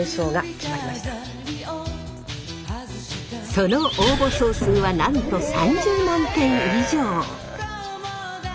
その応募総数はなんと３０万件以上！